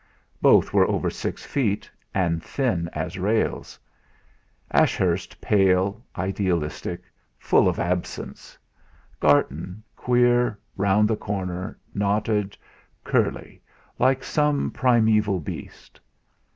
Both were over six feet, and thin as rails; Ashurst pale, idealistic, full of absence; Garton queer, round the corner, knotted, curly, like some primeval beast.